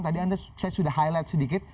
tadi anda saya sudah highlight sedikit